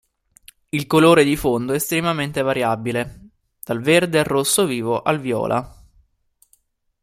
Il colore di fondo è estremamente variabile, dal verde al rosso vivo al viola.